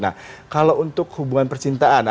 nah kalau untuk hubungan percintaan